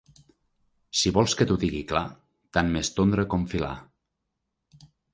Si vols que t'ho digui clar, tant m'és tondre com filar.